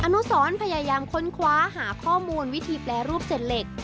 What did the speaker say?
นุสรพยายามค้นคว้าหาข้อมูลวิธีแปรรูปเจ็ดเหล็ก